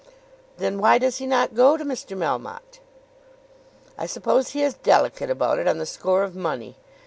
"Then why does he not go to Mr. Melmotte?" "I suppose he is delicate about it on the score of money.